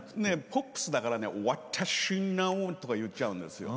ポップスだから「わったっしの」とか言っちゃうんですよ。